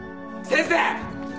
先生！